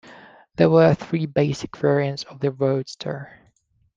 There were three basic variants of the roadster.